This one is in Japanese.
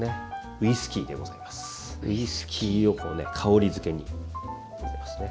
ウイスキーをこうね香りづけに入れますね。